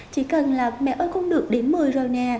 chỉ cần là mẹ ơi con được điểm một mươi rồi nè